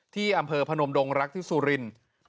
ที่อำเภอพนมดงรักที่สุรินทร์